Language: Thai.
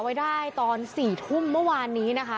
ไว้ได้ตอน๔ทุ่มเมื่อวานนี้นะคะ